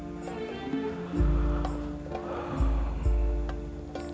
dan beri mereka kemampuan